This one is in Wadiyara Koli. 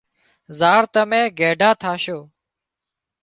زار تمين گئيڍا ٿاشو